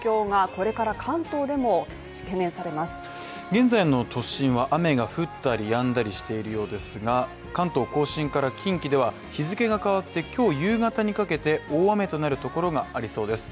現在の都心は雨が降ったりやんだりしているようですが関東甲信から近畿では日付が変わって今日夕方にかけて大雨となるところがありそうです。